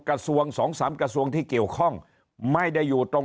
กระทรวงสองสามกระทรวงที่เกี่ยวข้องไม่ได้อยู่ตรง